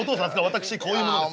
私こういう者です。